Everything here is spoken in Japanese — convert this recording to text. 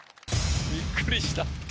びっくりした！